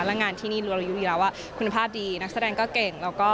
แล้วงานที่นี่รู้อยู่แล้วว่าคุณภาพดีนักแสดงก็เก่ง